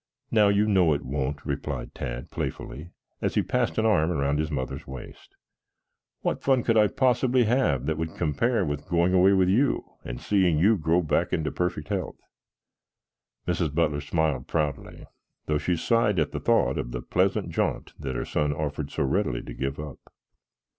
"Now, you know it won't," replied Tad playfully, as he passed an arm around his mother's waist. "What fun could I possibly have that would compare with going away with you and seeing you grow back into perfect health?" Mrs. Butler smiled proudly, though she sighed at the thought of the pleasant jaunt that her son offered so readily to give up.